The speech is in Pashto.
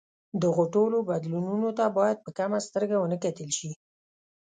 دغو ټولو بدلونونو ته باید په کمه سترګه ونه کتل شي.